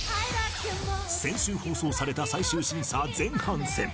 先週放送された最終審査前半戦。